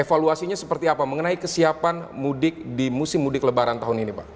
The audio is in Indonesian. evaluasinya seperti apa mengenai kesiapan mudik di musim mudik lebaran tahun ini pak